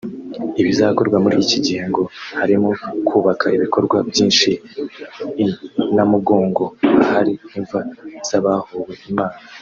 Ibizakorwa muri iki gihe ngo harimo kubaka ibikorwa byinshi i Namugongo ahari imva z’abahowe Imana